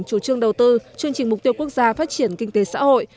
chủ trương đầu tư chương trình mục tiêu quốc gia phát triển kinh tế xã hội